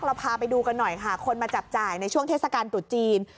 พาไปดูกันหน่อยค่ะคนมาจับจ่ายในช่วงเทศกาลตรุษจีน